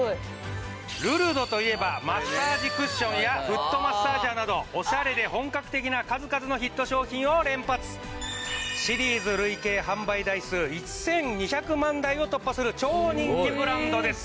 「ルルドといえばマッサージクッションやフットマッサージャーなどオシャレで本格的な数々のヒット商品を連発」「シリーズ累計販売台数１２００万台を突破する超人気ブランドです」